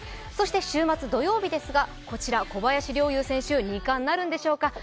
そして週末、土曜日ですが、小林陵侑選手、２冠なるのでしょうか。